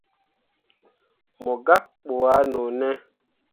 Mo gak ɓu ah none.